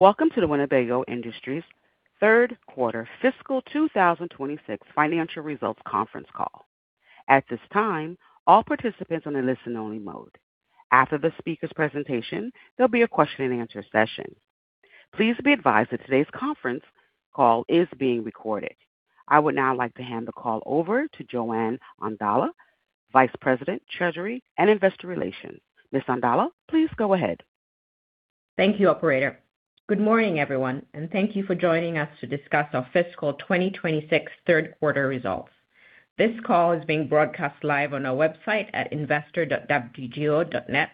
Welcome to the Winnebago Industries third quarter fiscal 2026 financial results conference call. At this time, all participants on a listen only mode. After the speaker's presentation, there'll be a question and answer session. Please be advised that today's conference call is being recorded. I would now like to hand the call over to Joan Ondala, Vice President, Treasury and Investor Relations. Ms. Ondala, please go ahead. Thank you, operator. Good morning, everyone, and thank you for joining us to discuss our fiscal 2026 third quarter results. This call is being broadcast live on our website at investor.wgo.net,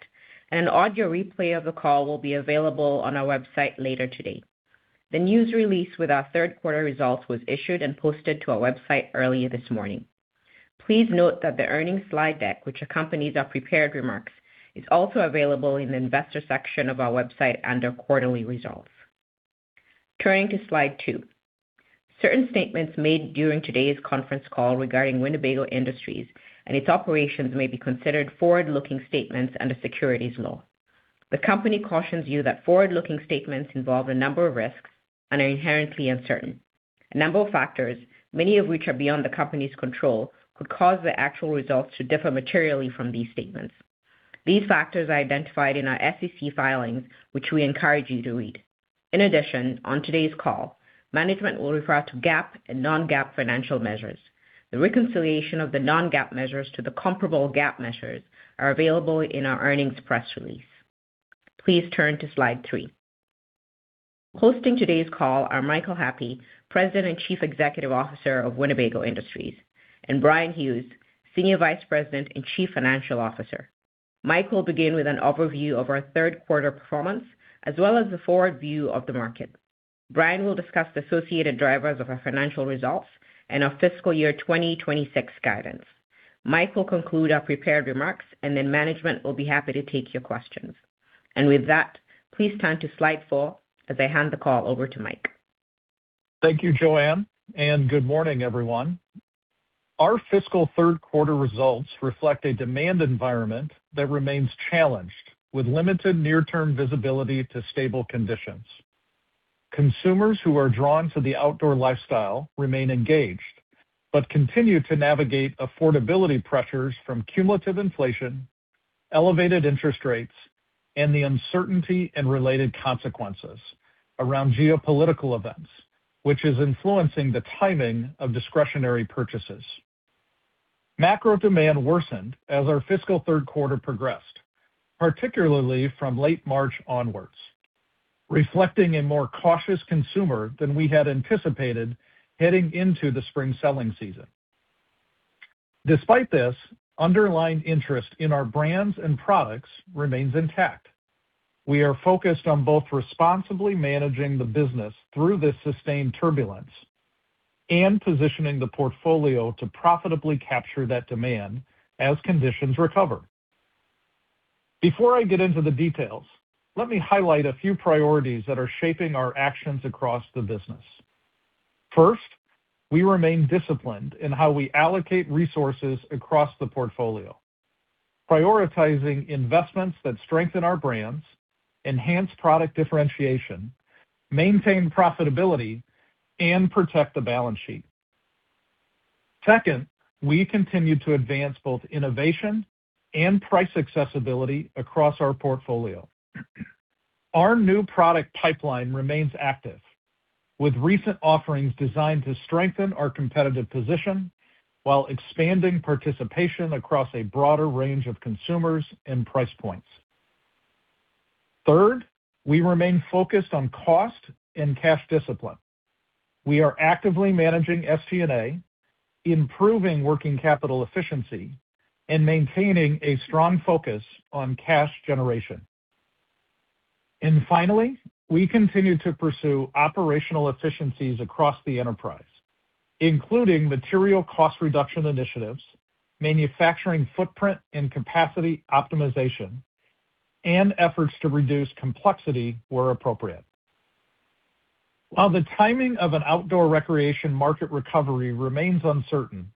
and an audio replay of the call will be available on our website later today. The news release with our third quarter results was issued and posted to our website earlier this morning. Please note that the earnings slide deck, which accompanies our prepared remarks, is also available in the investor section of our website under quarterly results. Turning to slide two. Certain statements made during today's conference call regarding Winnebago Industries and its operations may be considered forward-looking statements under securities law. The company cautions you that forward-looking statements involve a number of risks and are inherently uncertain. A number of factors, many of which are beyond the company's control, could cause the actual results to differ materially from these statements. These factors are identified in our SEC filings, which we encourage you to read. In addition, on today's call, management will refer to GAAP and non-GAAP financial measures. The reconciliation of the non-GAAP measures to the comparable GAAP measures are available in our earnings press release. Please turn to slide three. Hosting today's call are Michael Happe, President and Chief Executive Officer of Winnebago Industries, and Bryan Hughes, Senior Vice President and Chief Financial Officer. Mike will begin with an overview of our third quarter performance, as well as the forward view of the market. Bryan will discuss the associated drivers of our financial results and our fiscal year 2026 guidance. Mike will conclude our prepared remarks, management will be happy to take your questions. With that, please turn to slide four as I hand the call over to Mike. Thank you, Joan, and good morning, everyone. Our fiscal third quarter results reflect a demand environment that remains challenged with limited near-term visibility to stable conditions. Consumers who are drawn to the outdoor lifestyle remain engaged, but continue to navigate affordability pressures from cumulative inflation, elevated interest rates, and the uncertainty and related consequences around geopolitical events, which is influencing the timing of discretionary purchases. Macro demand worsened as our fiscal third quarter progressed, particularly from late March onwards, reflecting a more cautious consumer than we had anticipated heading into the spring selling season. Despite this, underlying interest in our brands and products remains intact. We are focused on both responsibly managing the business through this sustained turbulence and positioning the portfolio to profitably capture that demand as conditions recover. Before I get into the details, let me highlight a few priorities that are shaping our actions across the business. First, we remain disciplined in how we allocate resources across the portfolio, prioritizing investments that strengthen our brands, enhance product differentiation, maintain profitability, and protect the balance sheet. Second, we continue to advance both innovation and price accessibility across our portfolio. Our new product pipeline remains active, with recent offerings designed to strengthen our competitive position while expanding participation across a broader range of consumers and price points. Third, we remain focused on cost and cash discipline. We are actively managing SG&A, improving working capital efficiency, and maintaining a strong focus on cash generation. Finally, we continue to pursue operational efficiencies across the enterprise, including material cost reduction initiatives. Manufacturing footprint and capacity optimization, and efforts to reduce complexity where appropriate. While the timing of an outdoor recreation market recovery remains uncertain,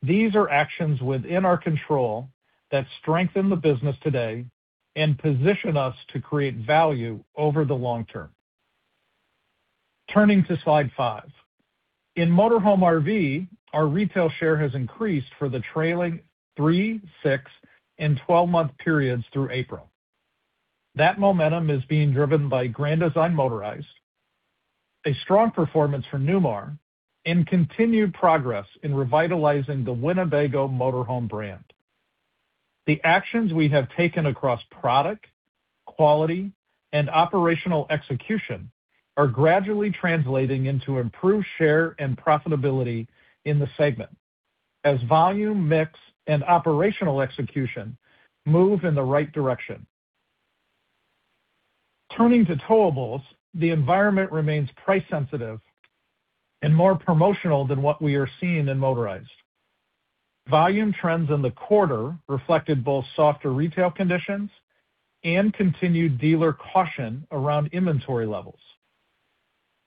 these are actions within our control that strengthen the business today and position us to create value over the long term. Turning to slide five. In motorhome RV, our retail share has increased for the trailing three, six, and 12-month periods through April. That momentum is being driven by Grand Design Motorized, a strong performance for Newmar, and continued progress in revitalizing the Winnebago Motorhome brand. The actions we have taken across product, quality, and operational execution are gradually translating into improved share and profitability in the segment as volume, mix, and operational execution move in the right direction. Turning to towables, the environment remains price-sensitive and more promotional than what we are seeing in motorized. Volume trends in the quarter reflected both softer retail conditions and continued dealer caution around inventory levels.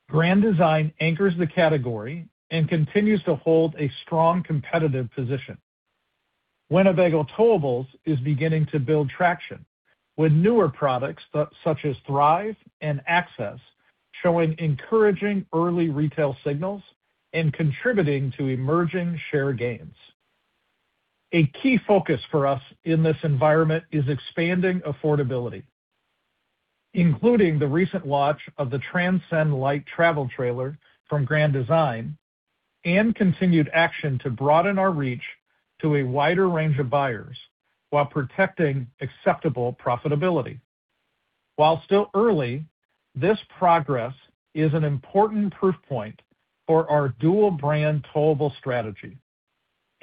Grand Design anchors the category and continues to hold a strong competitive position. Winnebago Towables is beginning to build traction with newer products such as Thrive and Access, showing encouraging early retail signals and contributing to emerging share gains. A key focus for us in this environment is expanding affordability, including the recent launch of the Transcend Lite travel trailer from Grand Design, and continued action to broaden our reach to a wider range of buyers while protecting acceptable profitability. While still early, this progress is an important proof point for our dual brand towable strategy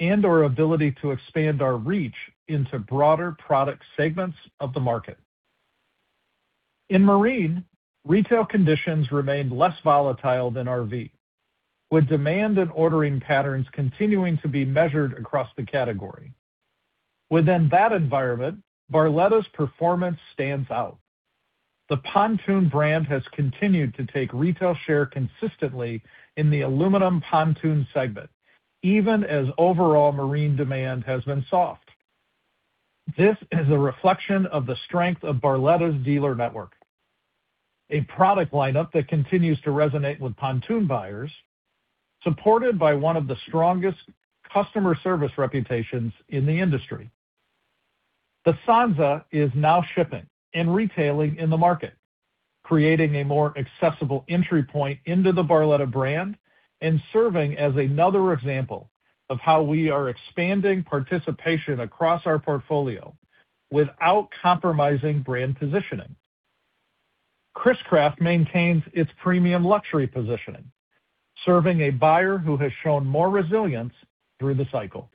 and our ability to expand our reach into broader product segments of the market. In marine, retail conditions remained less volatile than RV, with demand and ordering patterns continuing to be measured across the category. Within that environment, Barletta's performance stands out. The Pontoon brand has continued to take retail share consistently in the aluminum pontoon segment, even as overall marine demand has been soft. This is a reflection of the strength of Barletta's dealer network, a product lineup that continues to resonate with pontoon buyers, supported by one of the strongest customer service reputations in the industry. The Sanza is now shipping and retailing in the market, creating a more accessible entry point into the Barletta brand and serving as another example of how we are expanding participation across our portfolio without compromising brand positioning. Chris-Craft maintains its premium luxury positioning, serving a buyer who has shown more resilience through the cycle.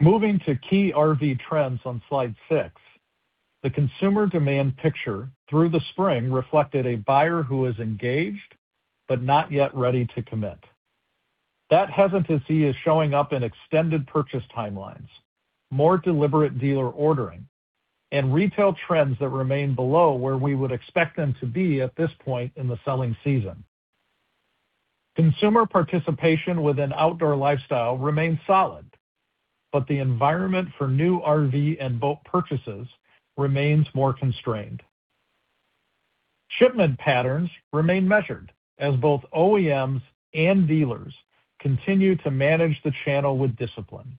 Moving to key RV trends on slide six, the consumer demand picture through the spring reflected a buyer who is engaged but not yet ready to commit. That hesitancy is showing up in extended purchase timelines, more deliberate dealer ordering, and retail trends that remain below where we would expect them to be at this point in the selling season. Consumer participation with an outdoor lifestyle remains solid, but the environment for new RV and boat purchases remains more constrained. Shipment patterns remain measured as both OEMs and dealers continue to manage the channel with discipline,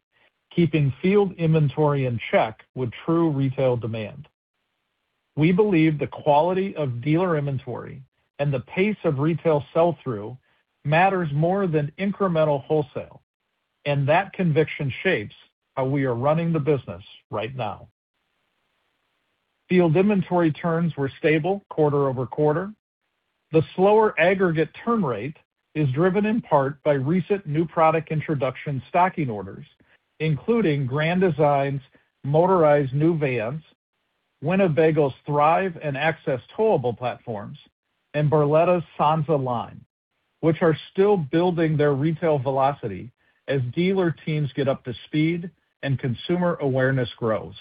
keeping field inventory in check with true retail demand. We believe the quality of dealer inventory and the pace of retail sell-through matters more than incremental wholesale, and that conviction shapes how we are running the business right now. Field inventory turns were stable quarter-over-quarter. The slower aggregate turn rate is driven in part by recent new product introduction stocking orders, including Grand Design's motorized new vans, Winnebago's Thrive and Access towable platforms, and Barletta's Sanza line, which are still building their retail velocity as dealer teams get up to speed and consumer awareness grows.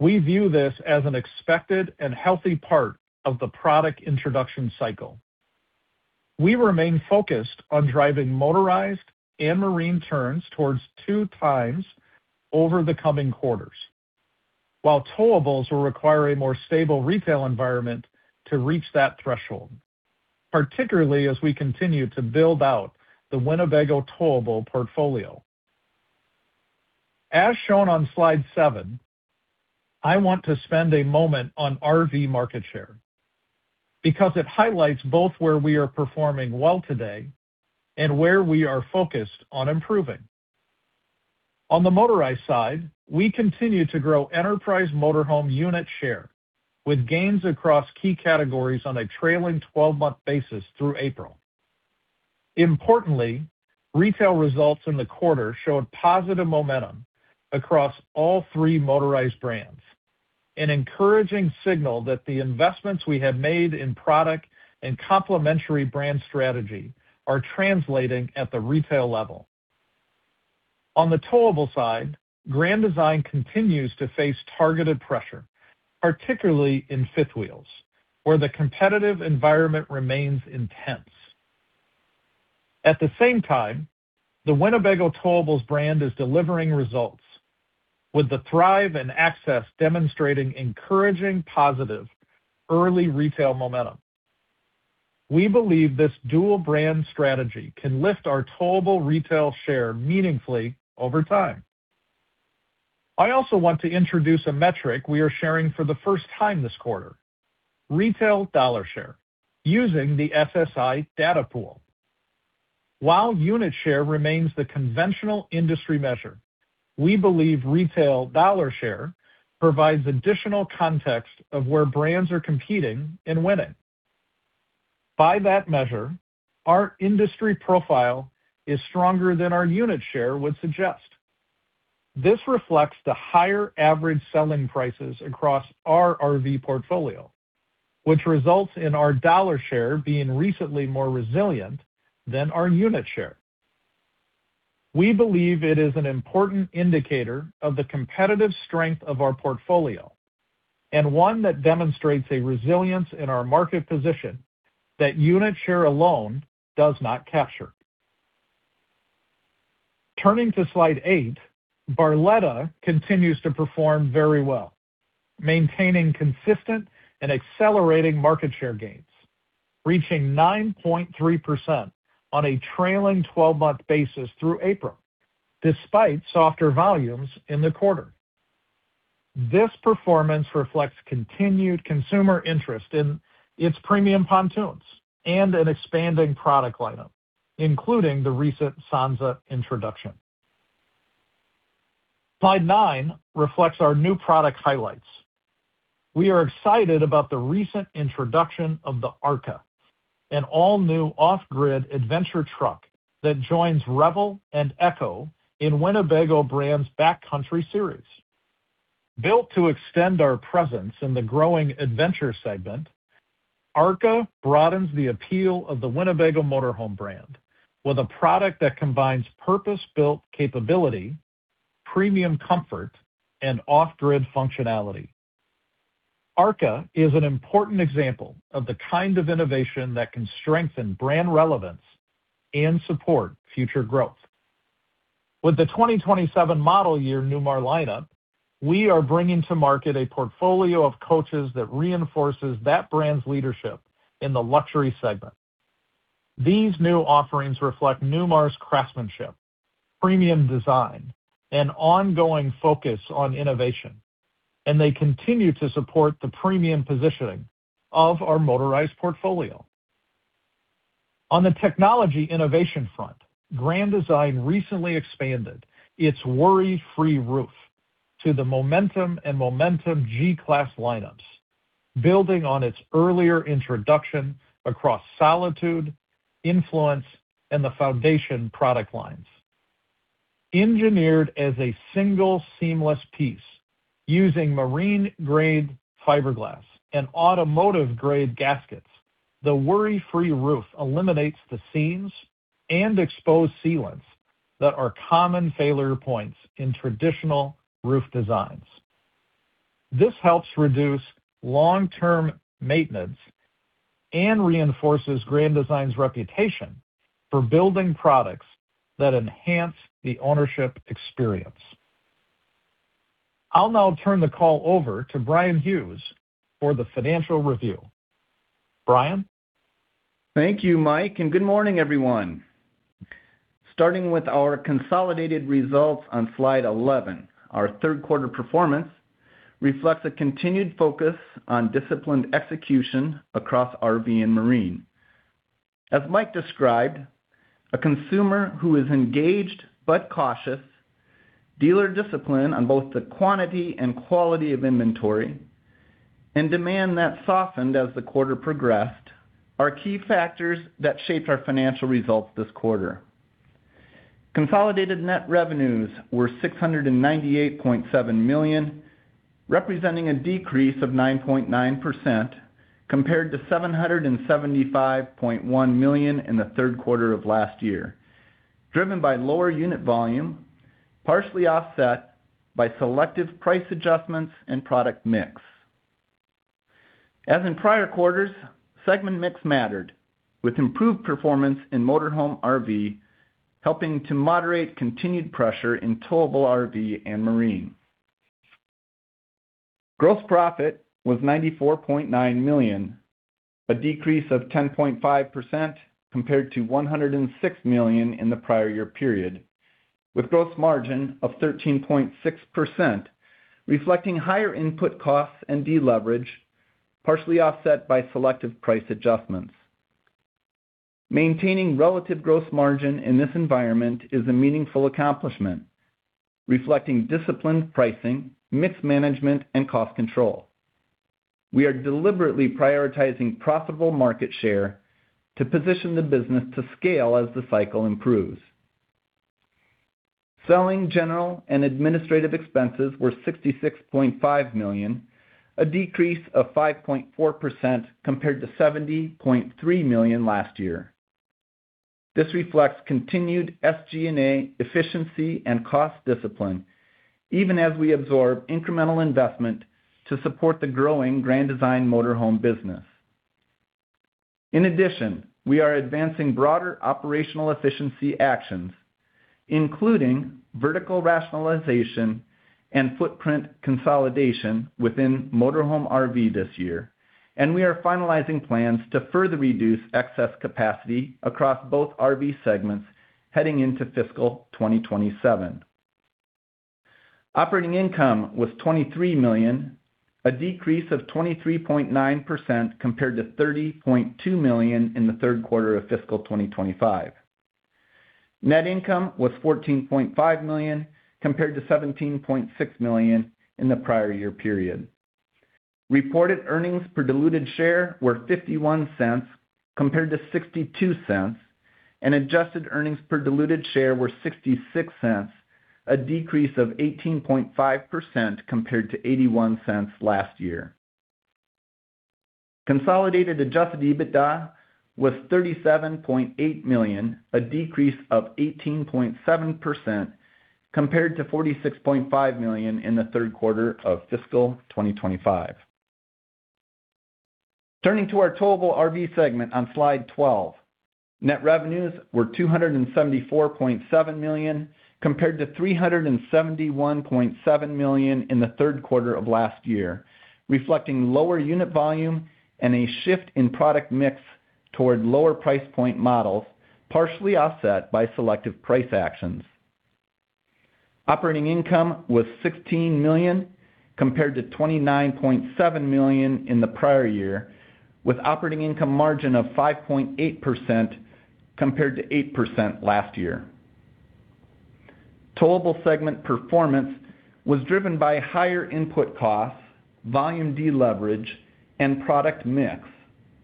We view this as an expected and healthy part of the product introduction cycle. We remain focused on driving motorized and marine turns towards two times over the coming quarters. While towables will require a more stable retail environment to reach that threshold, particularly as we continue to build out the Winnebago Towables portfolio. As shown on slide seven, I want to spend a moment on RV market share because it highlights both where we are performing well today and where we are focused on improving. On the motorized side, we continue to grow enterprise motorhome unit share with gains across key categories on a trailing 12-month basis through April. Importantly, retail results in the quarter showed positive momentum across all three motorized brands, an encouraging signal that the investments we have made in product and complementary brand strategy are translating at the retail level. On the towable side, Grand Design continues to face targeted pressure, particularly in fifth wheels, where the competitive environment remains intense. At the same time, the Winnebago Towables brand is delivering results with the Thrive and Access demonstrating encouraging positive early retail momentum. We believe this dual brand strategy can lift our towable retail share meaningfully over time. I also want to introduce a metric we are sharing for the first time this quarter, retail dollar share, using the SSI data pool. While unit share remains the conventional industry measure, we believe retail dollar share provides additional context of where brands are competing and winning. By that measure, our industry profile is stronger than our unit share would suggest. This reflects the higher average selling prices across our RV portfolio, which results in our dollar share being recently more resilient than our unit share. We believe it is an important indicator of the competitive strength of our portfolio. One that demonstrates a resilience in our market position that unit share alone does not capture. Turning to slide eight, Barletta continues to perform very well, maintaining consistent and accelerating market share gains, reaching 9.3% on a trailing 12-month basis through April, despite softer volumes in the quarter. This performance reflects continued consumer interest in its premium pontoons and an expanding product lineup, including the recent Sanza introduction. Slide nine reflects our new product highlights. We are excited about the recent introduction of the ARKA, an all-new off-grid adventure truck that joins Revel and EKKO in Winnebago Brands' Backcountry Series. Built to extend our presence in the growing adventure segment, ARKA broadens the appeal of the Winnebago Motorhome brand with a product that combines purpose-built capability, premium comfort, and off-grid functionality. ARKA is an important example of the kind of innovation that can strengthen brand relevance and support future growth. With the 2027 model year Newmar lineup, we are bringing to market a portfolio of coaches that reinforces that brand's leadership in the luxury segment. These new offerings reflect Newmar's craftsmanship, premium design, and ongoing focus on innovation, and they continue to support the premium positioning of our motorized portfolio. On the technology innovation front, Grand Design recently expanded its Worry-Free Roof to the Momentum and Momentum G-Class lineups, building on its earlier introduction across Solitude, Influence, and the Foundation product lines. Engineered as a single seamless piece using marine-grade fiberglass and automotive-grade gaskets, the Worry-Free Roof eliminates the seams and exposed sealants that are common failure points in traditional roof designs. This helps reduce long-term maintenance and reinforces Grand Design's reputation for building products that enhance the ownership experience. I'll now turn the call over to Bryan Hughes for the financial review. Bryan? Thank you, Mike, and good morning, everyone. Starting with our consolidated results on slide 11, our third quarter performance reflects a continued focus on disciplined execution across RV and marine. As Mike described, a consumer who is engaged but cautious, dealer discipline on both the quantity and quality of inventory, and demand that softened as the quarter progressed are key factors that shaped our financial results this quarter. Consolidated net revenues were $698.7 million, representing a decrease of 9.9% compared to $775.1 million in the third quarter of last year, driven by lower unit volume, partially offset by selective price adjustments and product mix. As in prior quarters, segment mix mattered, with improved performance in motorhome RV helping to moderate continued pressure in towable RV and marine. Gross profit was $94.9 million, a decrease of 10.5% compared to $106 million in the prior year period, with gross margin of 13.6%, reflecting higher input costs and deleverage, partially offset by selective price adjustments. Maintaining relative gross margin in this environment is a meaningful accomplishment, reflecting disciplined pricing, mix management and cost control. We are deliberately prioritizing profitable market share to position the business to scale as the cycle improves. Selling, general and administrative expenses were $66.5 million, a decrease of 5.4% compared to $70.3 million last year. This reflects continued SG&A efficiency and cost discipline, even as we absorb incremental investment to support the growing Grand Design Motorized business. We are advancing broader operational efficiency actions, including vertical rationalization and footprint consolidation within Motorhome RV this year, and we are finalizing plans to further reduce excess capacity across both RV segments heading into fiscal 2027. Operating income was $23 million, a decrease of 23.9% compared to $30.2 million in the third quarter of fiscal 2025. Net income was $14.5 million compared to $17.6 million in the prior year period. Reported earnings per diluted share were $0.51 compared to $0.62, and adjusted earnings per diluted share were $0.66, a decrease of 18.5% compared to $0.81 last year. Consolidated adjusted EBITDA was $37.8 million, a decrease of 18.7% compared to $46.5 million in the third quarter of fiscal 2025. Turning to our Towable RV segment on slide 12. Net revenues were $274.7 million, compared to $371.7 million in the third quarter of last year, reflecting lower unit volume and a shift in product mix toward lower price point models, partially offset by selective price actions. Operating income was $16 million, compared to $29.7 million in the prior year, with operating income margin of 5.8%, compared to 8% last year. Towable segment performance was driven by higher input costs, volume deleverage, and product mix,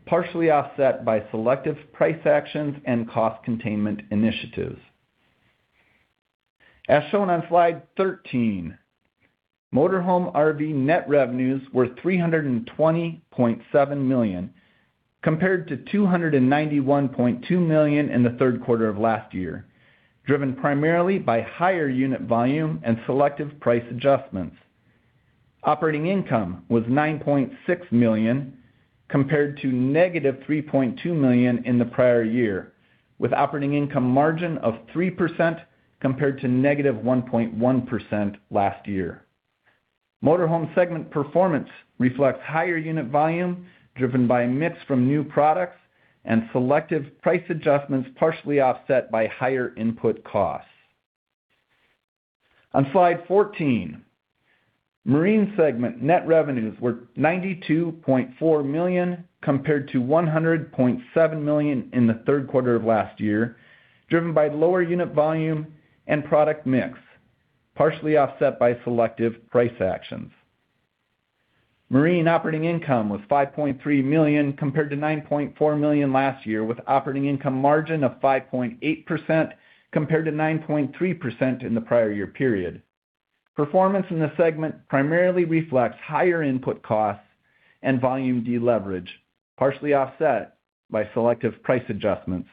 partially offset by selective price actions and cost containment initiatives. As shown on slide 13, Motorhome RV net revenues were $320.7 million, compared to $291.2 million in the third quarter of last year, driven primarily by higher unit volume and selective price adjustments. Operating income was $9.6 million compared to negative $3.2 million in the prior year, with operating income margin of 3% compared to negative 1.1% last year. Motorhome segment performance reflects higher unit volume driven by mix from new products and selective price adjustments partially offset by higher input costs. On slide 14, Marine segment net revenues were $92.4 million compared to $100.7 million in the third quarter of last year, driven by lower unit volume and product mix, partially offset by selective price actions. Marine operating income was $5.3 million compared to $9.4 million last year, with operating income margin of 5.8% compared to 9.3% in the prior year period. Performance in the segment primarily reflects higher input costs and volume deleverage, partially offset by selective price adjustments.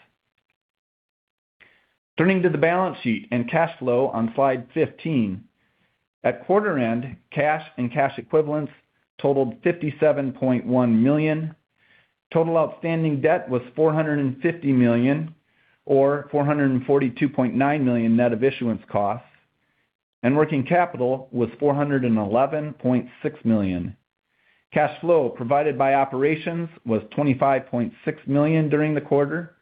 Turning to the balance sheet and cash flow on slide 15. At quarter end, cash and cash equivalents totaled $57.1 million. Total outstanding debt was $450 million or $442.9 million net of issuance costs, and working capital was $411.6 million. Cash flow provided by operations was $25.6 million during the quarter.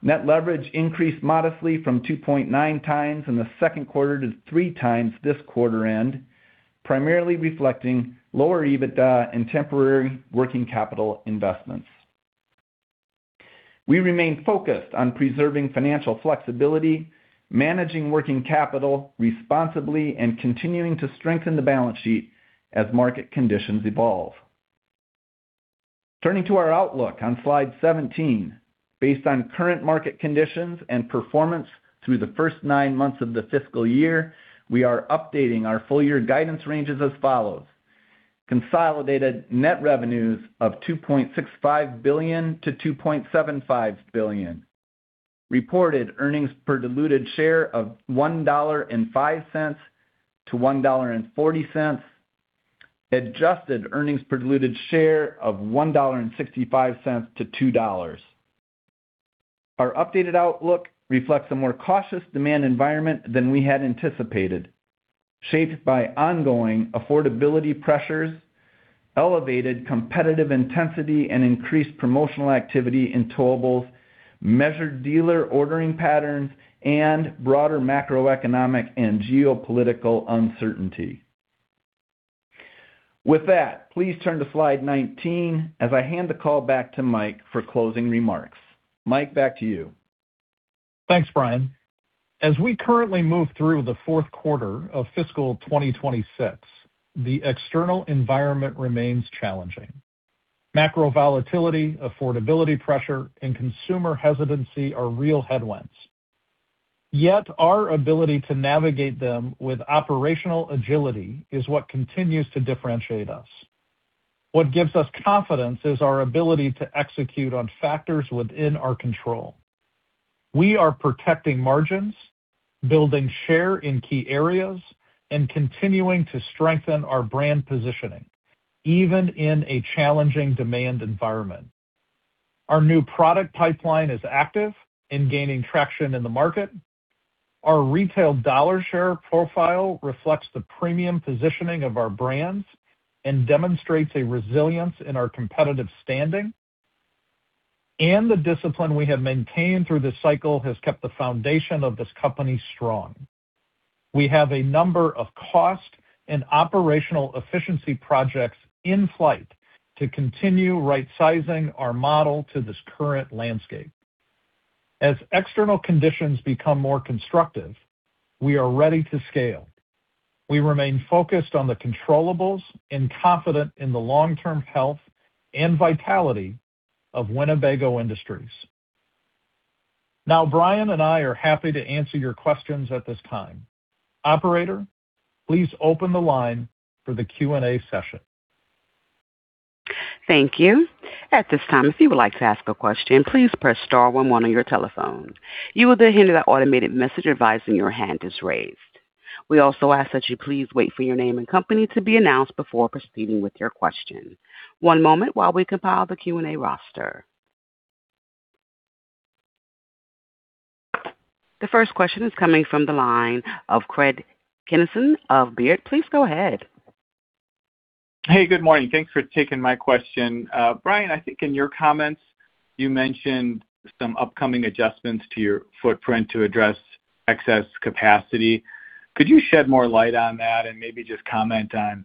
Net leverage increased modestly from 2.9 times in the second quarter to three times this quarter end, primarily reflecting lower EBITDA and temporary working capital investments. We remain focused on preserving financial flexibility, managing working capital responsibly, and continuing to strengthen the balance sheet as market conditions evolve. Turning to our outlook on slide 17. Based on current market conditions and performance through the first nine months of the fiscal year, we are updating our full year guidance ranges as follows. Consolidated net revenues of $2.65 billion-$2.75 billion. Reported earnings per diluted share of $1.05-$1.40. Adjusted earnings per diluted share of $1.65-$2.00. Our updated outlook reflects a more cautious demand environment than we had anticipated, shaped by ongoing affordability pressures, elevated competitive intensity, and increased promotional activity in towables, measured dealer ordering patterns, and broader macroeconomic and geopolitical uncertainty. With that, please turn to slide 19 as I hand the call back to Mike for closing remarks. Mike, back to you. Thanks, Bryan. As we currently move through the fourth quarter of fiscal 2026, the external environment remains challenging. Macro volatility, affordability pressure, and consumer hesitancy are real headwinds. Yet our ability to navigate them with operational agility is what continues to differentiate us. What gives us confidence is our ability to execute on factors within our control. We are protecting margins, building share in key areas, and continuing to strengthen our brand positioning, even in a challenging demand environment. Our new product pipeline is active in gaining traction in the market. Our retail dollar share profile reflects the premium positioning of our brands and demonstrates a resilience in our competitive standing. The discipline we have maintained through this cycle has kept the foundation of this company strong. We have a number of cost and operational efficiency projects in flight to continue rightsizing our model to this current landscape. As external conditions become more constructive, we are ready to scale. We remain focused on the controllable and confident in the long-term health and vitality of Winnebago Industries. Now Bryan and I are happy to answer your questions at this time. Operator, please open the line for the Q&A session. Thank you. At this time, if you would like to ask a question, please press star one one on your telephone. You will be handed an automated message advising your hand is raised. We also ask that you please wait for your name and company to be announced before proceeding with your question. One moment while we compile the Q&A roster. The first question is coming from the line of Craig Kennison of Baird. Please go ahead. Hey, good morning. Thanks for taking my question. Bryan, I think in your comments you mentioned some upcoming adjustments to your footprint to address excess capacity. Could you shed more light on that and maybe just comment on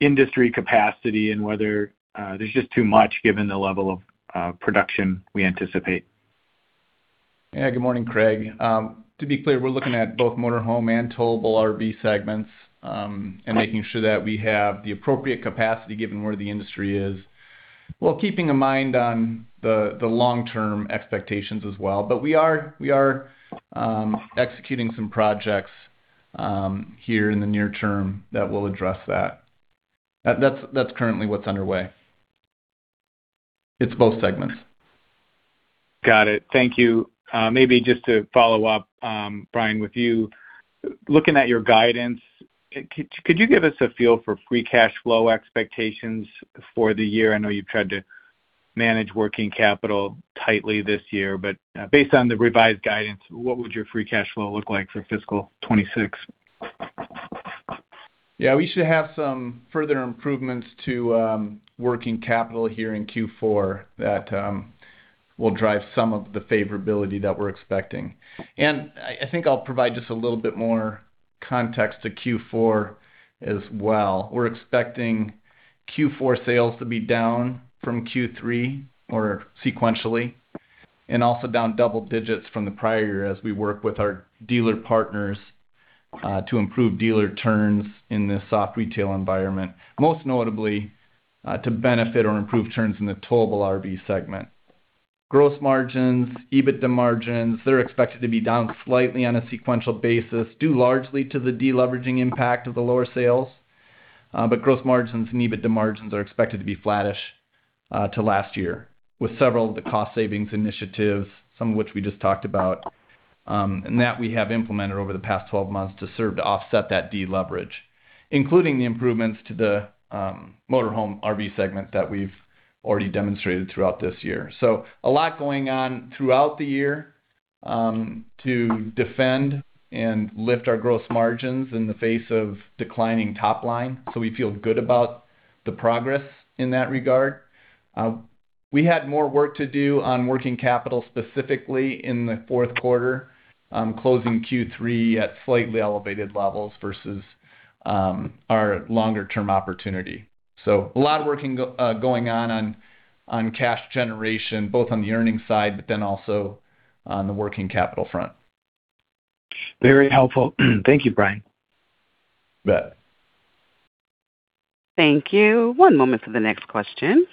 industry capacity and whether there's just too much given the level of production we anticipate? Yeah. Good morning, Craig. To be clear, we're looking at both motor home and towable RV segments. Making sure that we have the appropriate capacity given where the industry is, while keeping a mind on the long-term expectations as well. We are executing some projects here in the near term that will address that. That's currently what's underway. It's both segments. Got it. Thank you. Maybe just to follow up, Bryan, with you, looking at your guidance, could you give us a feel for free cash flow expectations for the year? I know you've tried to manage working capital tightly this year, based on the revised guidance, what would your free cash flow look like for fiscal 2026? We should have some further improvements to working capital here in Q4 that will drive some of the favorability that we're expecting. I think I'll provide just a little bit more context to Q4 as well. We're expecting Q4 sales to be down from Q3 or sequentially, also down double-digits from the prior year as we work with our dealer partners, to improve dealer turns in this soft retail environment, most notably, to benefit or improve turns in the towable RV segment. Gross margins, EBITDA margins, they're expected to be down slightly on a sequential basis, due largely to the deleveraging impact of the lower sales. Gross margins and EBITDA margins are expected to be flattish, to last year, with several of the cost savings initiatives, some of which we just talked about. That we have implemented over the past 12 months to serve to offset that deleverage, including the improvements to the motor home RV segment that we've already demonstrated throughout this year. A lot going on throughout the year, to defend and lift our gross margins in the face of declining top line. We feel good about the progress in that regard. We had more work to do on working capital, specifically in the fourth quarter, closing Q3 at slightly elevated levels versus our longer-term opportunity. A lot of working going on cash generation, both on the earnings side, but then also on the working capital front. Very helpful. Thank you, Bryan. You bet. Thank you. One moment for the next question.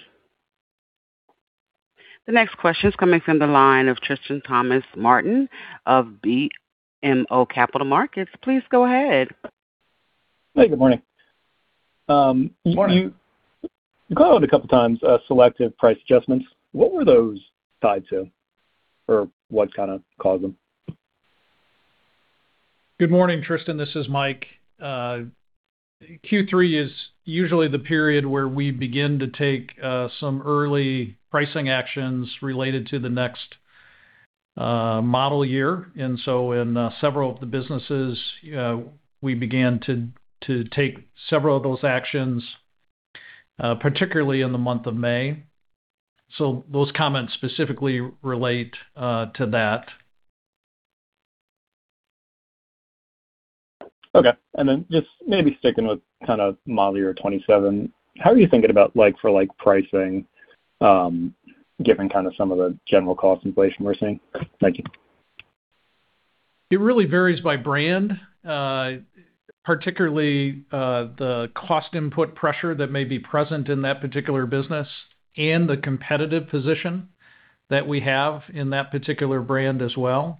The next question is coming from the line of Tristan Thomas-Martin of BMO Capital Markets. Please go ahead. Hey, good morning. Good morning. You called a couple of times, selective price adjustments. What were those tied to? What kind of caused them? Good morning, Tristan. This is Mike. Q3 is usually the period where we begin to take some early pricing actions related to the next model year. In several of the businesses, we began to take several of those actions, particularly in the month of May. Those comments specifically relate to that. Okay. Just maybe sticking with kind of model year 2027, how are you thinking about like for like pricing, given kind of some of the general cost inflation we're seeing? Thank you. It really varies by brand. Particularly, the cost input pressure that may be present in that particular business and the competitive position that we have in that particular brand as well.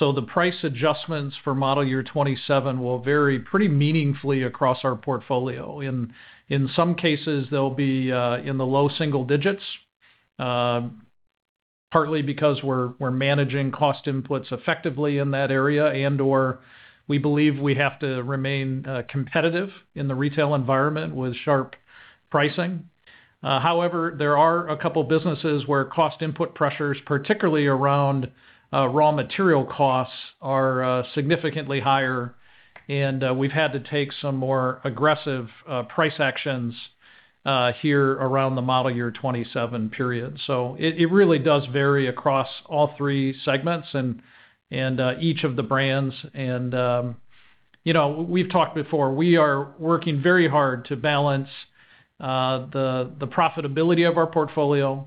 The price adjustments for model year 2027 will vary pretty meaningfully across our portfolio. In some cases, they'll be in the low single digits, partly because we're managing cost inputs effectively in that area and/or we believe we have to remain competitive in the retail environment with sharp pricing. However, there are a couple businesses where cost input pressures, particularly around raw material costs, are significantly higher, and we've had to take some more aggressive price actions here around the model year 2027 period. It really does vary across all three segments and each of the brands. We've talked before, we are working very hard to balance the profitability of our portfolio,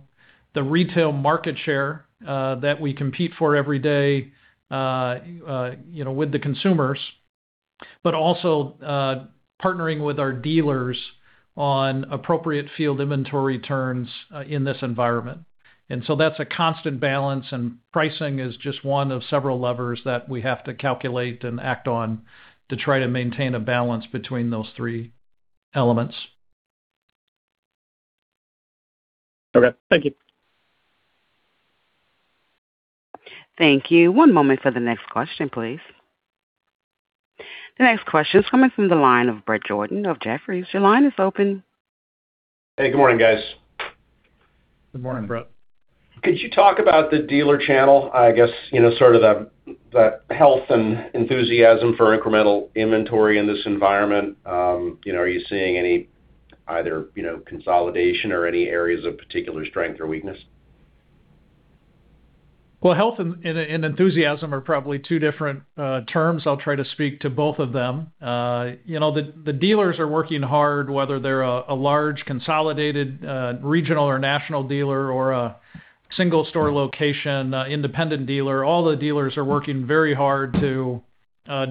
the retail market share that we compete for every day with the consumers, but also partnering with our dealers on appropriate field inventory turns in this environment. That's a constant balance, and pricing is just one of several levers that we have to calculate and act on to try to maintain a balance between those three elements. Okay. Thank you. Thank you. One moment for the next question, please. The next question is coming from the line of Bret Jordan of Jefferies. Your line is open. Hey, good morning, guys. Good morning, Bret. Could you talk about the dealer channel? I guess, sort of the health and enthusiasm for incremental inventory in this environment. Are you seeing any either consolidation or any areas of particular strength or weakness? Well, health and enthusiasm are probably two different terms. I'll try to speak to both of them. The dealers are working hard, whether they're a large, consolidated, regional or national dealer or a single-store location, independent dealer. All the dealers are working very hard to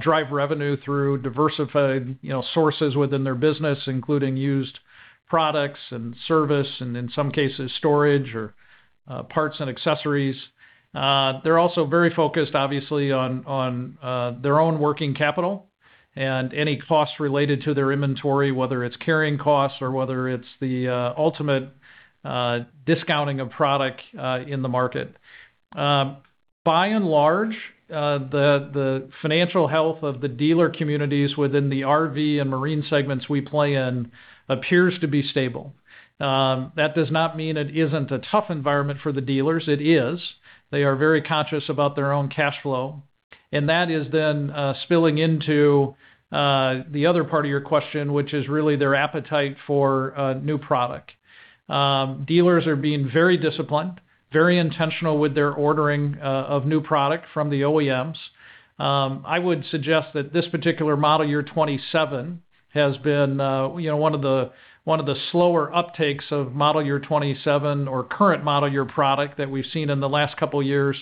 drive revenue through diversified sources within their business, including used products and service, and in some cases, storage or parts and accessories. They're also very focused, obviously, on their own working capital and any cost related to their inventory, whether it's carrying costs or whether it's the ultimate discounting of product in the market. By and large, the financial health of the dealer communities within the RV and marine segments we play in appears to be stable. That does not mean it isn't a tough environment for the dealers. It is. They are very conscious about their own cash flow. That is then spilling into the other part of your question, which is really their appetite for new product. Dealers are being very disciplined, very intentional with their ordering of new product from the OEMs. I would suggest that this particular model year 2027 has been one of the slower uptakes of model year 2027 or current model year product that we've seen in the last couple of years,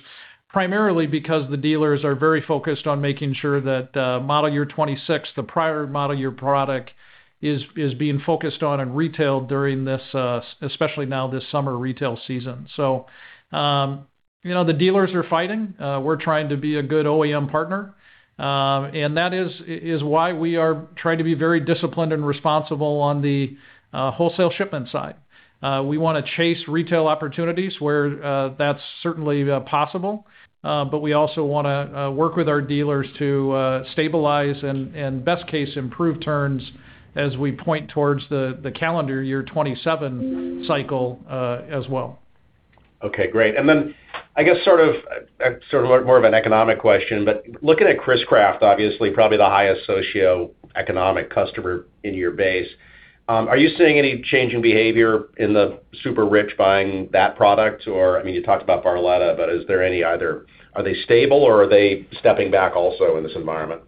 primarily because the dealers are very focused on making sure that model year 2026, the prior model year product, is being focused on and retailed during this, especially now, this summer retail season. The dealers are fighting. We're trying to be a good OEM partner. That is why we are trying to be very disciplined and responsible on the wholesale shipment side. We want to chase retail opportunities where that's certainly possible. We also want to work with our dealers to stabilize and, best case, improve turns as we point towards the calendar year 2027 cycle as well. Okay, great. Then, I guess sort of more of an economic question, looking at Chris-Craft, obviously probably the highest socioeconomic customer in your base, are you seeing any change in behavior in the super-rich buying that product? I mean, you talked about Barletta, but is there any either are they stable or are they stepping back also in this environment?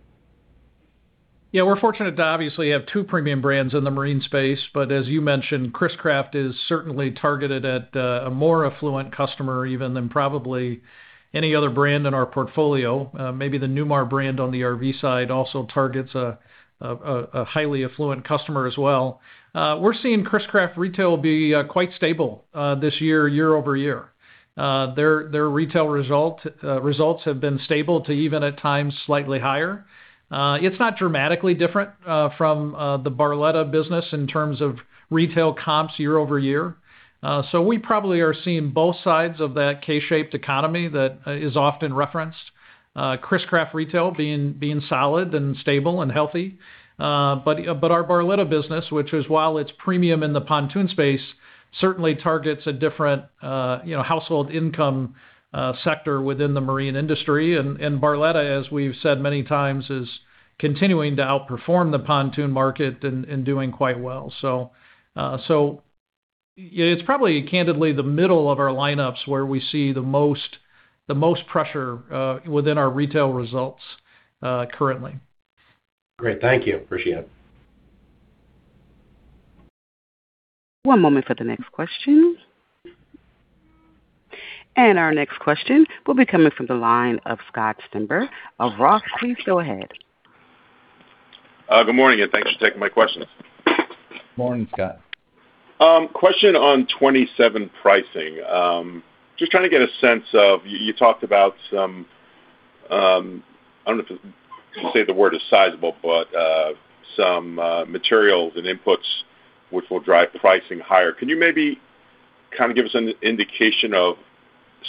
Yeah, we're fortunate to obviously have two premium brands in the marine space. As you mentioned, Chris-Craft is certainly targeted at a more affluent customer even than probably any other brand in our portfolio. Maybe the Newmar brand on the RV side also targets a highly affluent customer as well. We're seeing Chris-Craft retail be quite stable this year-over-year. Their retail results have been stable to even, at times, slightly higher. It's not dramatically different from the Barletta business in terms of retail comps year-over-year. We probably are seeing both sides of that K-shaped economy that is often referenced. Chris-Craft retail being solid and stable and healthy. Our Barletta business, which is, while it's premium in the pontoon space, certainly targets a different household income sector within the marine industry. Barletta, as we've said many times, is continuing to outperform the pontoon market and doing quite well. It's probably candidly the middle of our lineups where we see the most pressure within our retail results currently. Great. Thank you. Appreciate it. One moment for the next question. Our next question will be coming from the line of Scott Stember of ROTH Capital Partners. Please go ahead. Good morning, and thanks for taking my questions. Morning, Scott. Question on 2027 pricing. Just trying to get a sense of you talked about some, I don't know if you'd say the word is sizable, but some materials and inputs which will drive pricing higher. Can you maybe kind of give us an indication of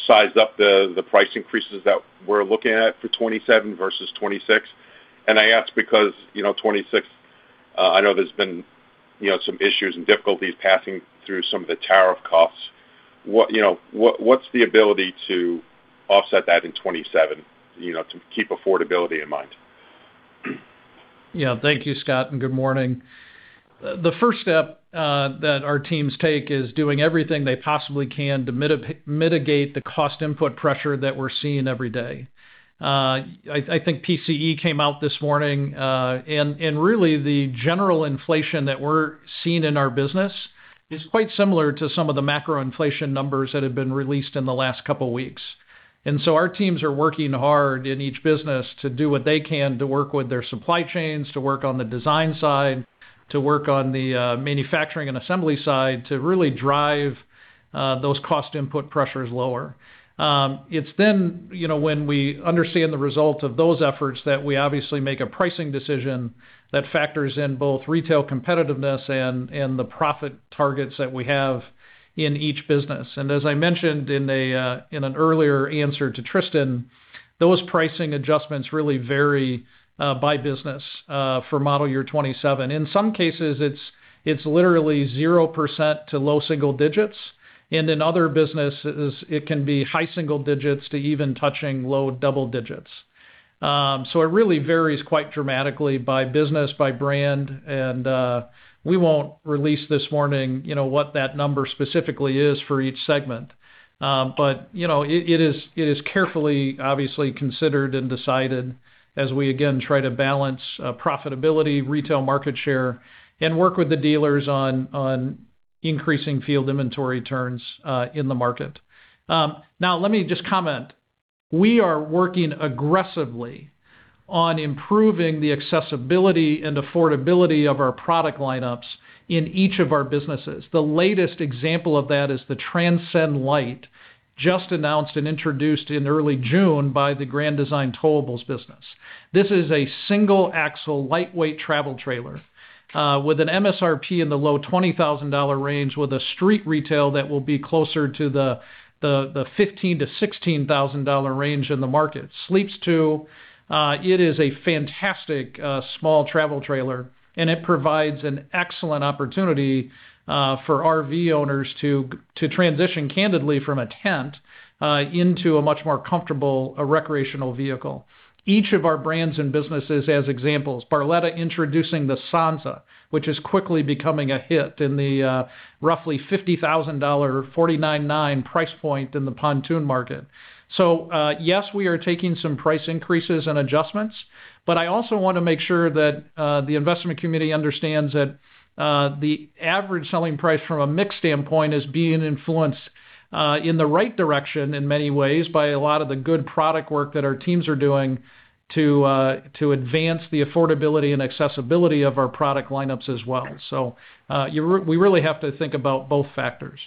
size up the price increases that we're looking at for 2027 versus 2026? I ask because 2026, I know there's been some issues and difficulties passing through some of the tariff costs. What's the ability to offset that in 2027 to keep affordability in mind? Thank you, Scott, and good morning. The first step that our teams take is doing everything they possibly can to mitigate the cost input pressure that we're seeing every day. I think PCE came out this morning, Really the general inflation that we're seeing in our business is quite similar to some of the macro inflation numbers that have been released in the last couple weeks. So our teams are working hard in each business to do what they can to work with their supply chains, to work on the design side, to work on the manufacturing and assembly side to really drive those cost input pressures lower. It's then when we understand the result of those efforts that we obviously make a pricing decision that factors in both retail competitiveness and the profit targets that we have in each business. As I mentioned in an earlier answer to Tristan, those pricing adjustments really vary by business for model year 2027. In some cases, it's literally 0% to low single digits, In other businesses, it can be high single digits to even touching low double digits. It really varies quite dramatically by business, by brand. We won't release this morning what that number specifically is for each segment. It is carefully, obviously, considered and decided as we, again, try to balance profitability, retail market share, and work with the dealers on increasing field inventory turns in the market. Let me just comment. We are working aggressively on improving the accessibility and affordability of our product lineups in each of our businesses. The latest example of that is the Transcend Lite, just announced and introduced in early June by the Grand Design Towables business. This is a single-axle, lightweight travel trailer with an MSRP in the low $20,000 range with a street retail that will be closer to the $15,000-$16,000 range in the market. Sleeps two. It is a fantastic small travel trailer, and it provides an excellent opportunity for RV owners to transition candidly from a tent into a much more comfortable recreational vehicle. Each of our brands and businesses as examples. Barletta introducing the Sanza, which is quickly becoming a hit in the roughly $50,000, $49,900 price point in the pontoon market. Yes, we are taking some price increases and adjustments, but I also want to make sure that the investment community understands that the average selling price from a mix standpoint is being influenced in the right direction in many ways by a lot of the good product work that our teams are doing to advance the affordability and accessibility of our product lineups as well. We really have to think about both factors.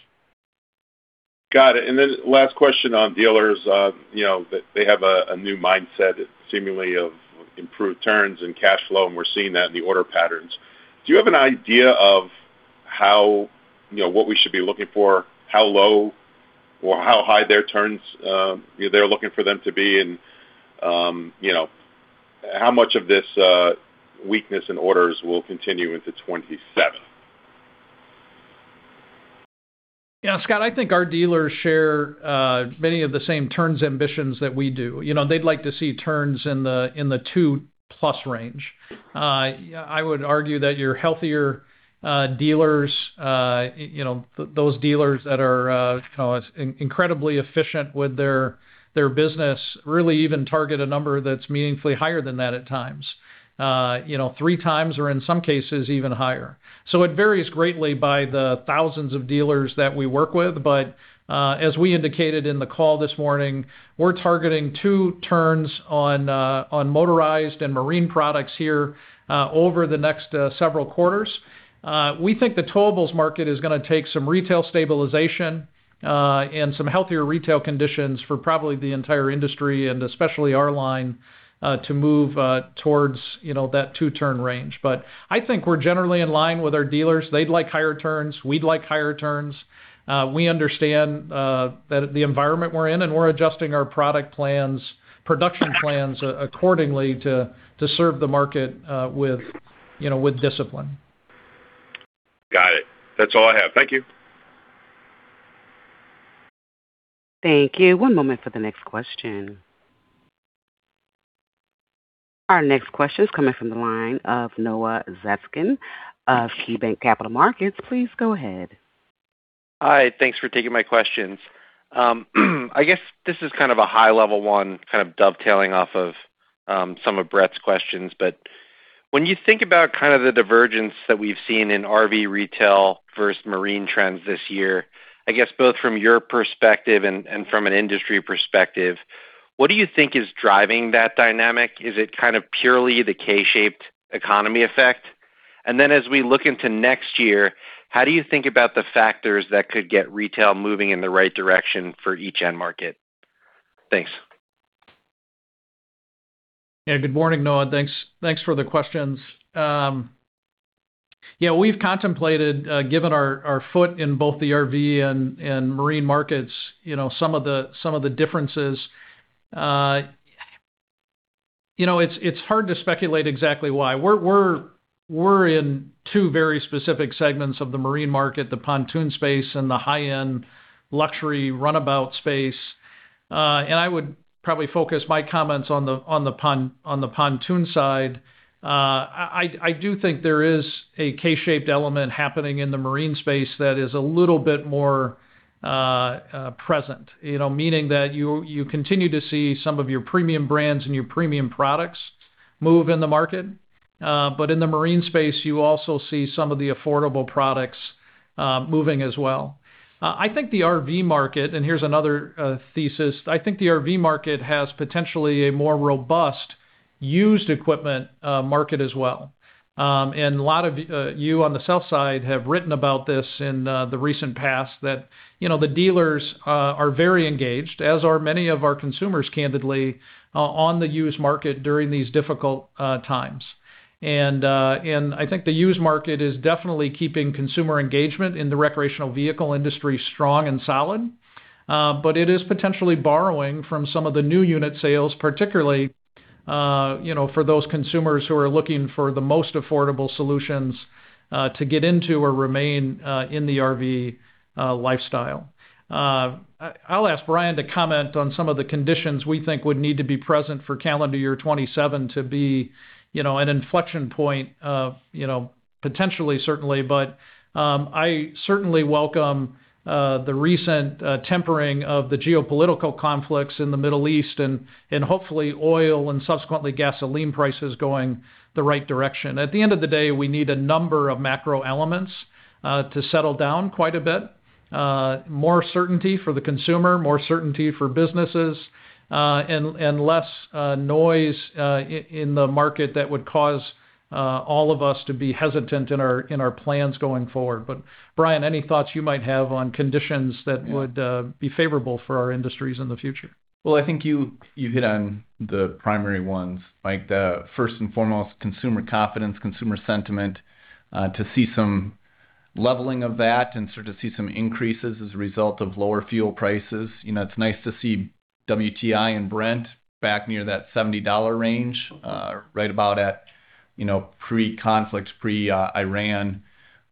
Got it. Last question on dealers. They have a new mindset seemingly of improved turns and cash flow, and we're seeing that in the order patterns. Do you have an idea of what we should be looking for? How low or how high their turns they're looking for them to be and how much of this weakness in orders will continue into 2027? Scott, I think our dealers share many of the same turns ambitions that we do. They'd like to see turns in the two-plus range. I would argue that your healthier dealers, those dealers that are incredibly efficient with their business, really even target a number that's meaningfully higher than that at times. Three times or in some cases, even higher. It varies greatly by the thousands of dealers that we work with. As we indicated in the call this morning, we're targeting two turns on motorized and marine products here over the next several quarters. We think the towables market is going to take some retail stabilization and some healthier retail conditions for probably the entire industry, and especially our line, to move towards that two-turn range. I think we're generally in line with our dealers. They'd like higher turns. We'd like higher turns. We understand that the environment we're in, and we're adjusting our production plans accordingly to serve the market with discipline. Got it. That's all I have. Thank you. Thank you. One moment for the next question. Our next question is coming from the line of Noah Zatzkin of KeyBanc Capital Markets. Please go ahead. Hi, thanks for taking my questions. I guess this is kind of a high-level one, kind of dovetailing off of some of Bret's questions. When you think about kind of the divergence that we've seen in RV retail versus marine trends this year, I guess both from your perspective and from an industry perspective, what do you think is driving that dynamic? Is it kind of purely the K-shaped economy effect? As we look into next year, how do you think about the factors that could get retail moving in the right direction for each end market? Thanks. Good morning, Noah. Thanks for the questions. We've contemplated giving our foot in both the RV and marine markets some of the differences. It's hard to speculate exactly why. We're in two very specific segments of the marine market, the pontoon space and the high-end luxury runabout space. I would probably focus my comments on the pontoon side. I do think there is a K-shaped element happening in the marine space that is a little bit more present, meaning that you continue to see some of your premium brands and your premium products move in the market. In the marine space, you also see some of the affordable products moving as well. I think the RV market, and here's another thesis, I think the RV market has potentially a more robust used equipment market as well. A lot of you on the south side have written about this in the recent past, that the dealers are very engaged, as are many of our consumers, candidly, on the used market during these difficult times. I think the used market is definitely keeping consumer engagement in the recreational vehicle industry strong and solid. It is potentially borrowing from some of the new unit sales, particularly, for those consumers who are looking for the most affordable solutions to get into or remain in the RV lifestyle. I'll ask Bryan to comment on some of the conditions we think would need to be present for calendar year 2027 to be an inflection point of potentially, certainly. I certainly welcome the recent tempering of the geopolitical conflicts in the Middle East. Hopefully oil and subsequently gasoline prices going the right direction. At the end of the day, we need a number of macro elements to settle down quite a bit. More certainty for the consumer, more certainty for businesses, and less noise in the market that would cause all of us to be hesitant in our plans going forward. Bryan, any thoughts you might have on conditions that would be favorable for our industries in the future? I think you hit on the primary ones, Mike. First and foremost, consumer confidence, consumer sentiment, to see some leveling of that and start to see some increases as a result of lower fuel prices. It's nice to see WTI and Brent back near that $70 range, right about at pre-conflict, pre-Iran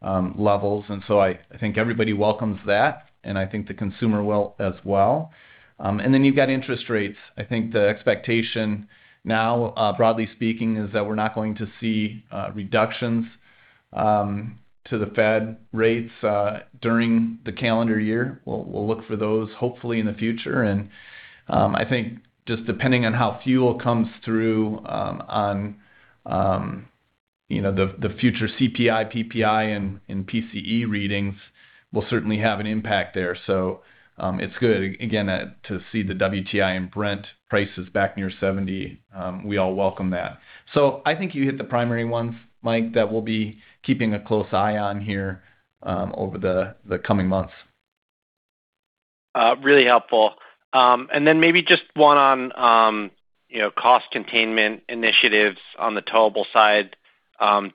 levels. I think everybody welcomes that, and I think the consumer will as well. You've got interest rates. I think the expectation now, broadly speaking, is that we're not going to see reductions to the Fed rates during the calendar year. We'll look for those hopefully in the future. I think just depending on how fuel comes through on the future CPI, PPI and PCE readings will certainly have an impact there. It's good again to see the WTI and Brent prices back near 70. We all welcome that. I think you hit the primary ones, Mike, that we'll be keeping a close eye on here over the coming months. Really helpful. Maybe just one on cost containment initiatives on the towable side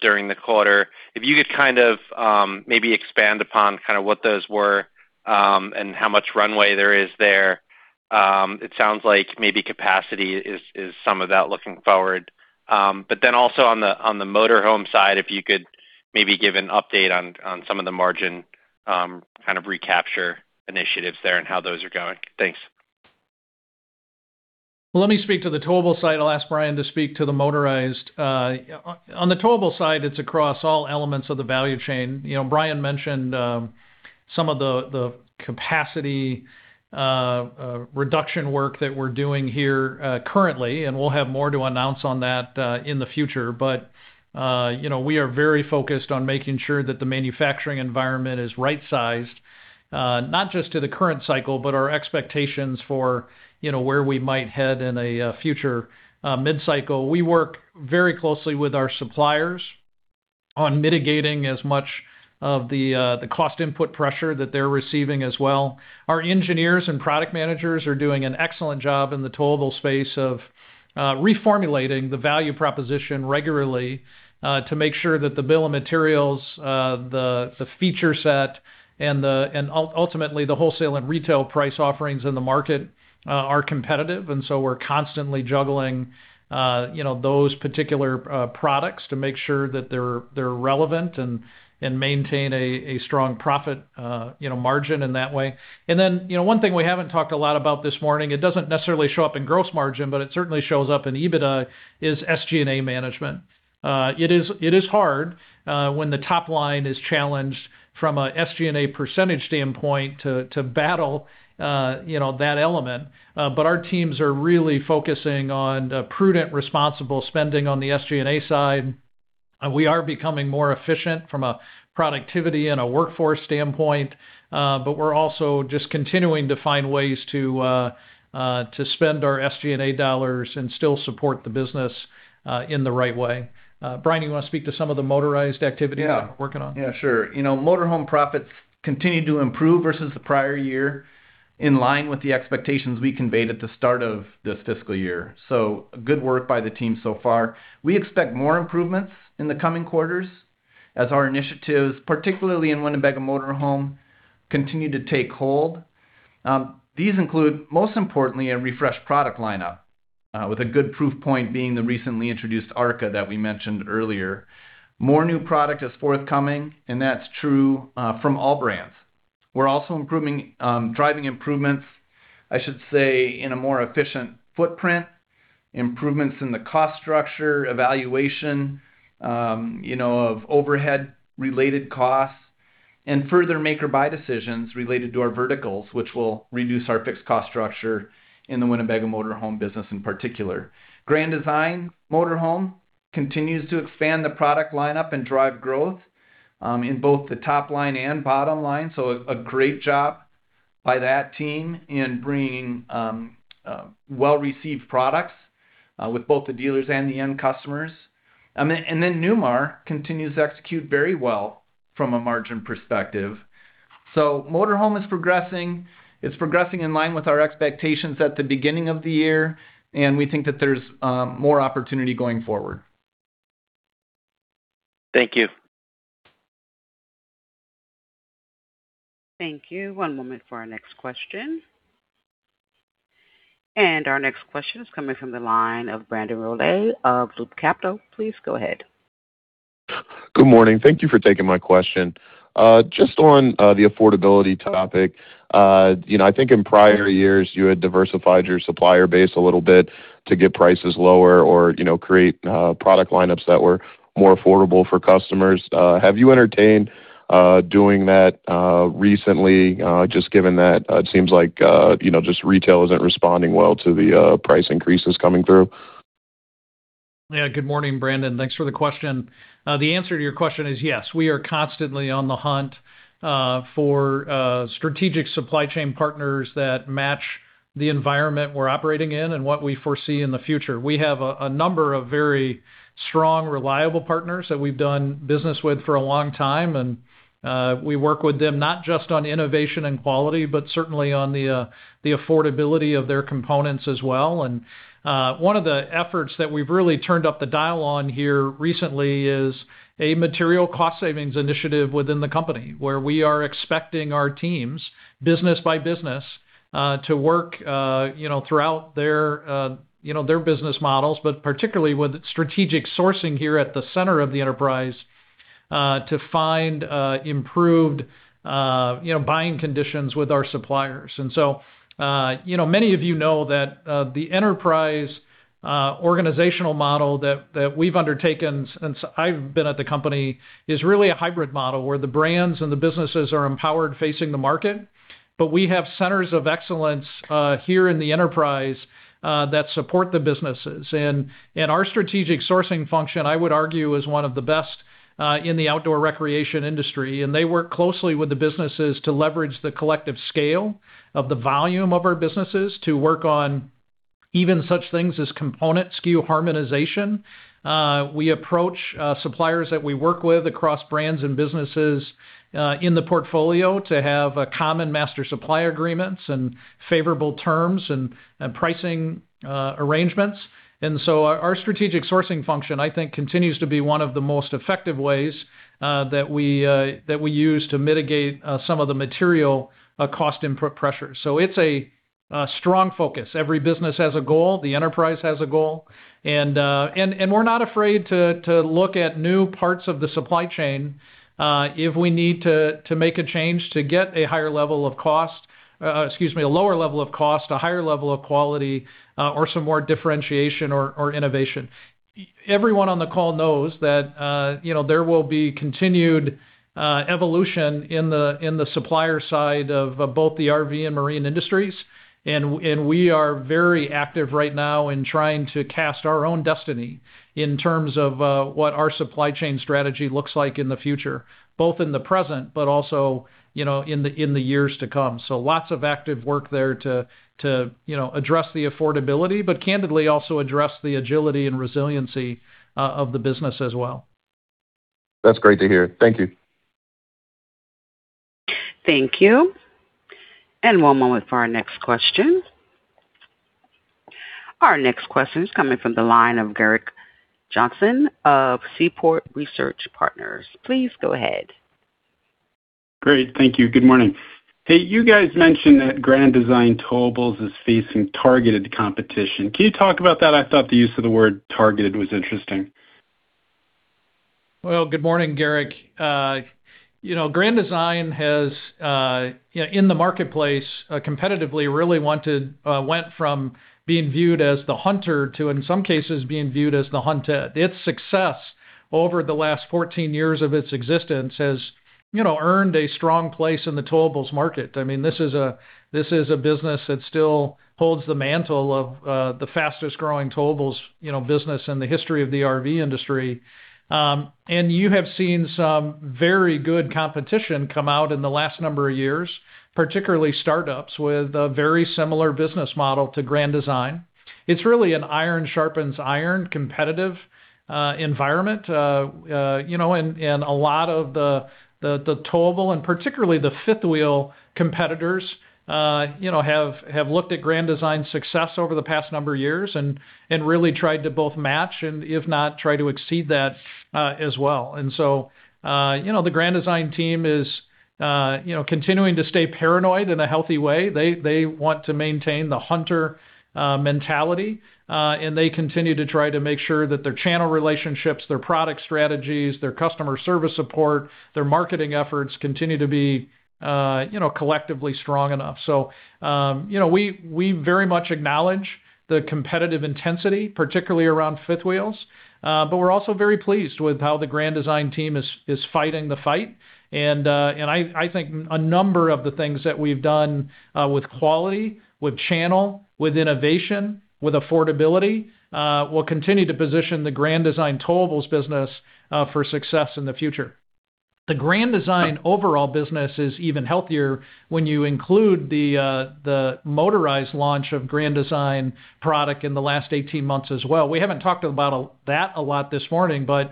during the quarter. If you could kind of maybe expand upon what those were, and how much runway there is there. It sounds like maybe capacity is some of that looking forward. Also on the motor home side, if you could maybe give an update on some of the margin, kind of recapture initiatives there and how those are going. Thanks. Let me speak to the towable side. I'll ask Bryan to speak to the motorized. On the towable side, it's across all elements of the value chain. Bryan mentioned some of the capacity reduction work that we're doing here currently, and we'll have more to announce on that in the future. We are very focused on making sure that the manufacturing environment is right-sized, not just to the current cycle, but our expectations for where we might head in a future mid-cycle. We work very closely with our suppliers on mitigating as much of the cost input pressure that they're receiving as well. Our engineers and product managers are doing an excellent job in the towable space of reformulating the value proposition regularly. To make sure that the bill of materials, the feature set and ultimately the wholesale and retail price offerings in the market are competitive. We're constantly juggling those particular products to make sure that they're relevant and maintain a strong profit margin in that way. One thing we haven't talked a lot about this morning, it doesn't necessarily show up in gross margin, but it certainly shows up in EBITDA, is SG&A management. It is hard when the top line is challenged from an SG&A percentage standpoint to battle that element. Our teams are really focusing on prudent, responsible spending on the SG&A side. We are becoming more efficient from a productivity and a workforce standpoint. We're also just continuing to find ways to spend our SG&A dollars and still support the business, in the right way. Bryan, you want to speak to some of the motorized activity we're working on? Yeah, sure. Motorhome profits continue to improve versus the prior year, in line with the expectations we conveyed at the start of this fiscal year. Good work by the team so far. We expect more improvements in the coming quarters as our initiatives, particularly in Winnebago Motorhome, continue to take hold. These include, most importantly, a refreshed product lineup, with a good proof point being the recently introduced ARKA that we mentioned earlier. More new product is forthcoming, and that is true from all brands. We're also driving improvements, I should say, in a more efficient footprint, improvements in the cost structure, evaluation of overhead-related costs. Further make-or-buy decisions related to our verticals, which will reduce our fixed cost structure in the Winnebago Motorhome business in particular. Grand Design Motorhome continues to expand the product lineup and drive growth in both the top line and bottom line. A great job by that team in bringing well-received products with both the dealers and the end customers. Newmar continues to execute very well from a margin perspective. Motorhome is progressing. It is progressing in line with our expectations at the beginning of the year, and we think that there is more opportunity going forward. Thank you. Thank you. One moment for our next question. Our next question is coming from the line of Brandon Rollé of Loop Capital. Please go ahead. Good morning. Thank you for taking my question. Just on the affordability topic. I think in prior years you had diversified your supplier base a little bit to get prices lower or create product lineups that were more affordable for customers. Have you entertained doing that recently, just given that it seems like just retail isn't responding well to the price increases coming through? Yeah. Good morning, Brandon. Thanks for the question. The answer to your question is yes. We are constantly on the hunt for strategic supply chain partners that match the environment we're operating in and what we foresee in the future. We have a number of very strong, reliable partners that we've done business with for a long time, and we work with them not just on innovation and quality, but certainly on the affordability of their components as well. One of the efforts that we've really turned up the dial on here recently is a material cost savings initiative within the company, where we are expecting our teams, business by business, to work throughout their business models, but particularly with strategic sourcing here at the center of the enterprise, to find improved buying conditions with our suppliers. Many of you know that the enterprise organizational model that we've undertaken since I've been at the company is really a hybrid model where the brands and the businesses are empowered facing the market. We have centers of excellence here in the enterprise that support the businesses. Our strategic sourcing function, I would argue, is one of the best in the outdoor recreation industry. They work closely with the businesses to leverage the collective scale of the volume of our businesses to work on even such things as component SKU harmonization. We approach suppliers that we work with across brands and businesses in the portfolio to have common master supply agreements and favorable terms and pricing arrangements. Our strategic sourcing function, I think, continues to be one of the most effective ways that we use to mitigate some of the material cost input pressure. It's a strong focus. Every business has a goal. The enterprise has a goal. We're not afraid to look at new parts of the supply chain if we need to make a change to get a lower level of cost, a higher level of quality, or some more differentiation or innovation. Everyone on the call knows that there will be continued evolution in the supplier side of both the RV and marine industries, and we are very active right now in trying to cast our own destiny in terms of what our supply chain strategy looks like in the future, both in the present but also in the years to come. Lots of active work there to address the affordability, candidly also address the agility and resiliency of the business as well. That's great to hear. Thank you. Thank you. One moment for our next question. Our next question is coming from the line of Gerrick Johnson of Seaport Research Partners. Please go ahead. Great. Thank you. Good morning. Hey, you guys mentioned that Grand Design Towables is facing targeted competition. Can you talk about that? I thought the use of the word targeted was interesting. Good morning, Gerrick. Grand Design has, in the marketplace competitively really went from being viewed as the hunter to, in some cases, being viewed as the hunted. Its success over the last 14 years of its existence has earned a strong place in the towables market. This is a business that still holds the mantle of the fastest-growing towables business in the history of the RV industry. You have seen some very good competition come out in the last number of years, particularly startups with a very similar business model to Grand Design. It's really an iron sharpens iron competitive environment. A lot of the towable and particularly the fifth wheel competitors have looked at Grand Design's success over the past number of years and really tried to both match and if not, try to exceed that as well. The Grand Design team is continuing to stay paranoid in a healthy way. They want to maintain the hunter mentality, and they continue to try to make sure that their channel relationships, their product strategies, their customer service support, their marketing efforts continue to be collectively strong enough. We very much acknowledge the competitive intensity, particularly around fifth wheels. We're also very pleased with how the Grand Design team is fighting the fight. I think a number of the things that we've done with quality, with channel, with innovation, with affordability will continue to position the Grand Design towables business for success in the future. The Grand Design overall business is even healthier when you include the motorized launch of Grand Design product in the last 18 months as well. We haven't talked about that a lot this morning, but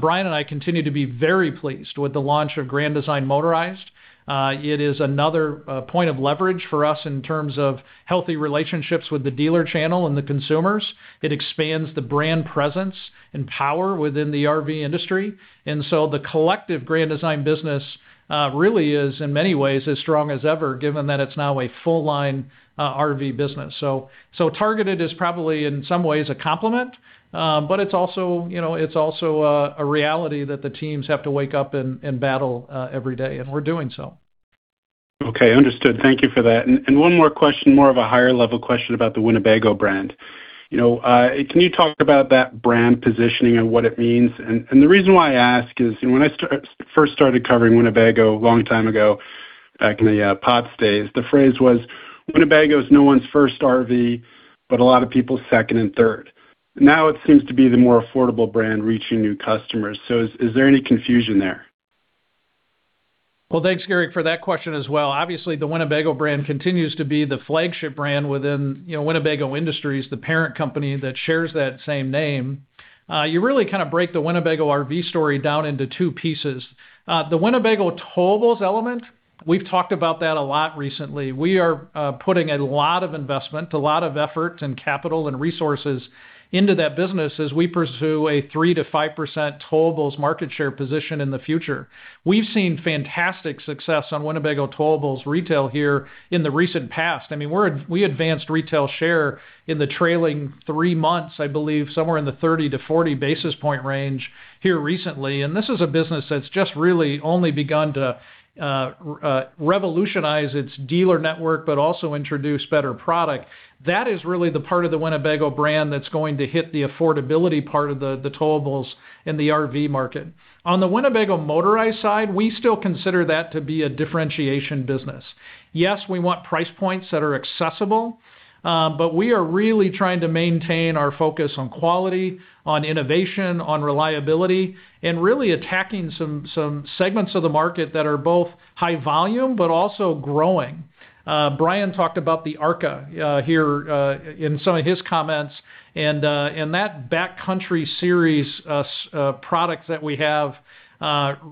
Bryan and I continue to be very pleased with the launch of Grand Design Motorized. It is another point of leverage for us in terms of healthy relationships with the dealer channel and the consumers. It expands the brand presence and power within the RV industry. The collective Grand Design business really is, in many ways, as strong as ever, given that it's now a full line RV business. Targeted is probably, in some ways, a compliment, but it's also a reality that the teams have to wake up and battle every day, and we're doing so. Okay, understood. Thank you for that. One more question, more of a higher level question about the Winnebago brand. Can you talk about that brand positioning and what it means? The reason why I ask is, when I first started covering Winnebago a long time ago, back in the Potts days, the phrase was, "Winnebago is no one's first RV, but a lot of people's second and third." Now it seems to be the more affordable brand reaching new customers. Is there any confusion there? Well, thanks, Gerrick, for that question as well. Obviously, the Winnebago brand continues to be the flagship brand within Winnebago Industries, the parent company that shares that same name. You really kind of break the Winnebago RV story down into two pieces. The Winnebago Towables element, we've talked about that a lot recently. We are putting a lot of investment, a lot of effort and capital and resources into that business as we pursue a 3%-5% towables market share position in the future. We've seen fantastic success on Winnebago Towables retail here in the recent past. We advanced retail share in the trailing three months, I believe somewhere in the 30-40 basis point range here recently. This is a business that's just really only begun to revolutionize its dealer network, but also introduce better product. That is really the part of the Winnebago brand that's going to hit the affordability part of the towables in the RV market. On the Winnebago motorized side, we still consider that to be a differentiation business. Yes, we want price points that are accessible, but we are really trying to maintain our focus on quality, on innovation, on reliability, and really attacking some segments of the market that are both high volume but also growing. Bryan talked about the ARKA here in some of his comments, and that Backcountry Series product that we have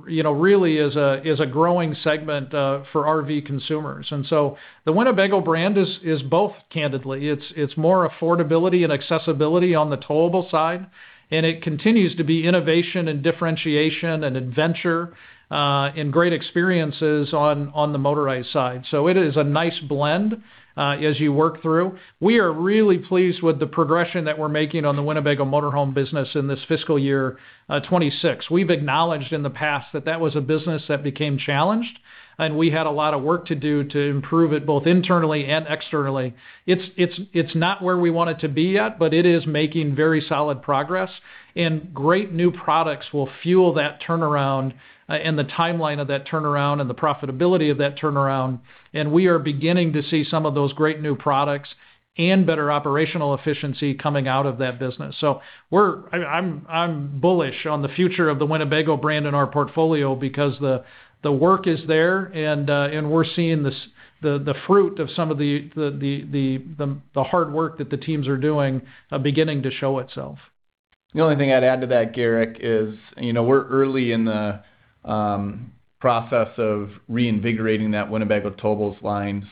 really is a growing segment for RV consumers. The Winnebago brand is both, candidly. It's more affordability and accessibility on the towable side, and it continues to be innovation and differentiation and adventure and great experiences on the motorized side. It is a nice blend as you work through. We are really pleased with the progression that we're making on the Winnebago Motorhome business in this fiscal year 2026. We've acknowledged in the past that that was a business that became challenged, and we had a lot of work to do to improve it both internally and externally. It's not where we want it to be yet, but it is making very solid progress, and great new products will fuel that turnaround and the timeline of that turnaround and the profitability of that turnaround. We are beginning to see some of those great new products and better operational efficiency coming out of that business. I'm bullish on the future of the Winnebago brand in our portfolio because the work is there. We're seeing the fruit of some of the hard work that the teams are doing beginning to show itself. The only thing I'd add to that, Gerrick, is we're early in the process of reinvigorating that Winnebago Towables line.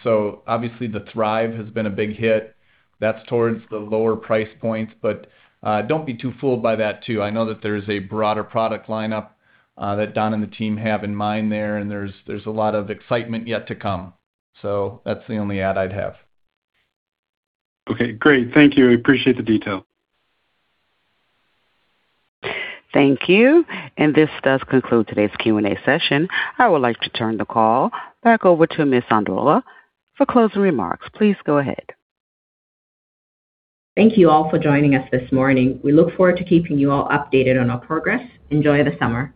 Obviously the Thrive has been a big hit. That's towards the lower price points, but don't be too fooled by that, too. I know that there's a broader product lineup that Don and the team have in mind there, and there's a lot of excitement yet to come. That's the only add I'd have. Okay, great. Thank you. I appreciate the detail. Thank you. This does conclude today's Q&A session. I would like to turn the call back over to Ms. Ondala for closing remarks. Please go ahead. Thank you all for joining us this morning. We look forward to keeping you all updated on our progress. Enjoy the summer.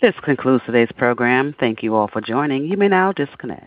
This concludes today's program. Thank you all for joining. You may now disconnect.